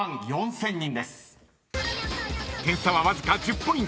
［点差はわずか１０ポイント］